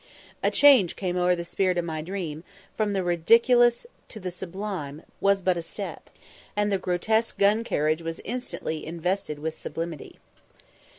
"A change came o'er the spirit of my dream," from the ridiculous to the sublime was but a step; and the grotesque gun carriage was instantly invested with sublimity.